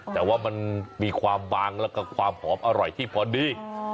แต่ว่ามันมีความบางแล้วก็ความหอมอร่อยที่พอดี